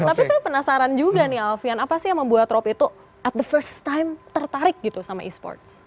tapi saya penasaran juga nih alfian apa sih yang membuat rob itu at the first time tertarik gitu sama e sports